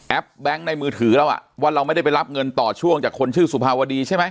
แบงค์ในมือถือเราอ่ะว่าเราไม่ได้ไปรับเงินต่อช่วงจากคนชื่อสุภาวดีใช่ไหม